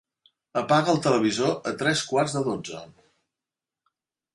Apaga el televisor a tres quarts de dotze.